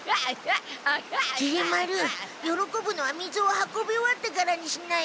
きり丸よろこぶのは水を運び終わってからにしなよ。